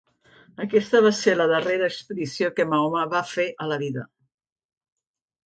Aquesta va ser la darrera expedició que Mahoma va fer a la vida.